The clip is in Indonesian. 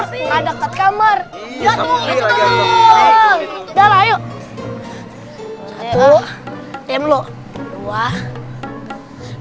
enggak dekat kamar ya itu dulu udah yuk